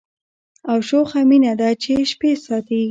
او شوخه مینه ده چي شپې ساتي